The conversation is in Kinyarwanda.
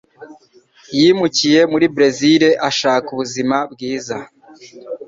Yimukiye muri Berezile ashaka ubuzima bwiza.